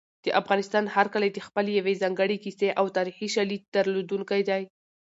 د افغانستان هر کلی د خپلې یوې ځانګړې کیسې او تاریخي شاليد درلودونکی دی.